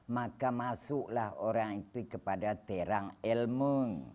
maka masuklah orang itu kepada terang ilmu